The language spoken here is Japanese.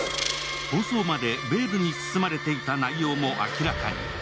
放送までベールに包まれていた内容も明らかに。